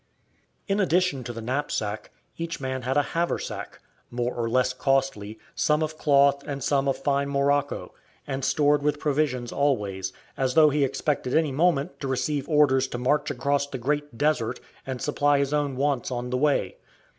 In addition to the knapsack, each man had a haversack, more or less costly, some of cloth and some of fine morocco, and stored with provisions always, as though he expected any moment to receive orders to march across the Great Desert, and supply his own wants on the way.